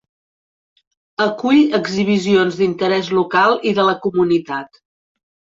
Acull exhibicions d'interès local i de la comunitat.